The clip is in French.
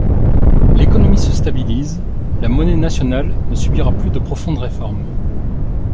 L’économie se stabilise, la monnaie nationale ne subira plus de profondes réformes.